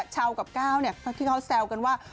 ชาวกับก้าวที่เขาแซวกันว่า